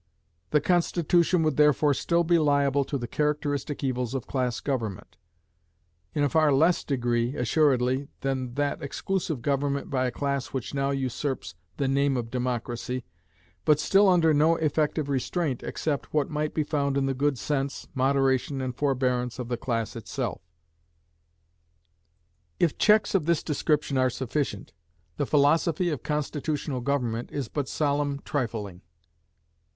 The constitution would therefore still be liable to the characteristic evils of class government; in a far less degree, assuredly, than that exclusive government by a class which now usurps the name of democracy, but still under no effective restraint except what might be found in the good sense, moderation, and forbearance of the class itself. If checks of this description are sufficient, the philosophy of constitutional government is but solemn trifling.